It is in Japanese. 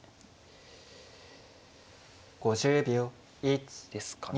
１。ですかね。